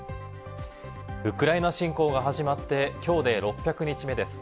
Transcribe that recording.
ウクライナ侵攻が始まって、きょうで６００日目です。